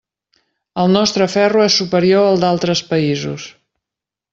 El nostre ferro és superior al d'altres països.